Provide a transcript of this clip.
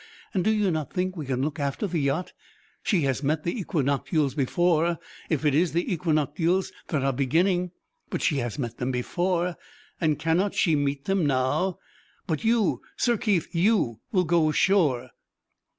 And do you not think we can look after the yacht? She has met the equinoctials before, if it is the equinoctials that are beginning. She has met them before; and cannot she meet them now? But you, Sir Keith, you will go ashore!"